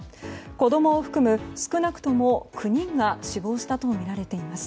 子供を含む少なくとも９人が死亡したとみられています。